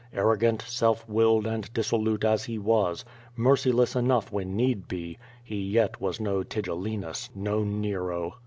Arrogant, self willed and disso lute as he was, merciless enough when need be, he yet was no Tigellinus, no Nero.